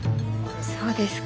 そうですか。